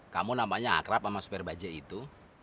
kamu namanya akrab sama superbajek itu